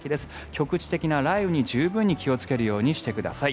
局地的な雷雨に十分に気をつけるようにしてください。